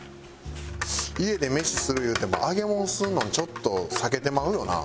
家で飯するいうても揚げ物するのはちょっと避けてまうよな。